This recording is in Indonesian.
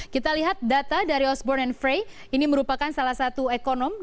kita lihat data dari osbor and frey ini merupakan salah satu ekonom